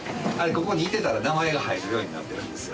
ここにいてたら名前が入るようになってるんですよ